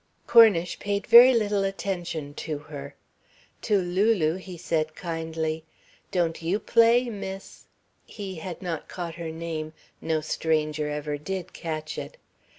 Cornish paid very little attention to her. To Lulu he said kindly, "Don't you play, Miss ?" He had not caught her name no stranger ever did catch it.